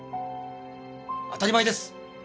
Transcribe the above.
当たり前です！